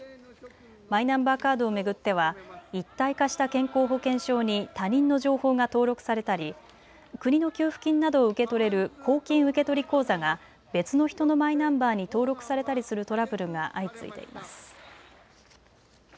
マイナンバーカードを巡っては一体化した健康保険証に他人の情報が登録されたり国の給付金などを受け取れる公金受取口座が別の人のマイナンバーに登録されたりするトラブルが相次いでいます。